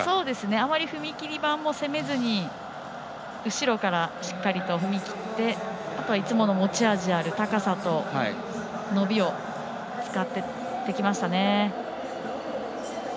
あまり踏切板を攻めずに後ろからしっかりと踏み切ってあとはいつもの持ち味ある高さと伸びを使って跳んできました。